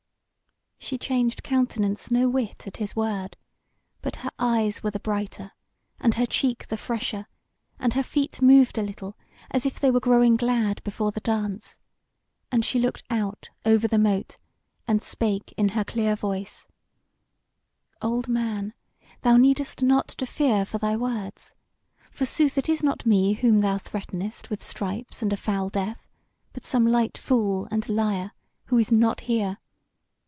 She changed countenance no whit at his word; but her eyes were the brighter, and her cheek the fresher and her feet moved a little, as if they were growing glad before the dance; and she looked out over the Mote, and spake in her clear voice: "Old man, thou needest not to fear for thy words. Forsooth it is not me whom thou threatenest with stripes and a foul death, but some light fool and liar, who is not here.